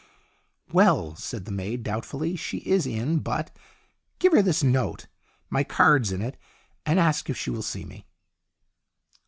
"Well," said the maid, doubtfully, "she is in, but" " Give her this note my card's in it and ask if she will see me."